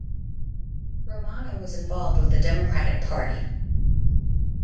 Romano was involved with the Democratic Party.